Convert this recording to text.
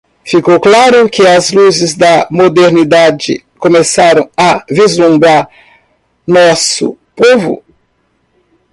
Ficou claro que as luzes da modernidade começaram a vislumbrar nosso povo.